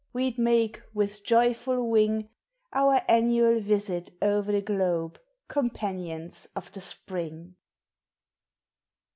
We d make, with joyful wing, Our annual yisit o'er the globe, Companions of the Spring.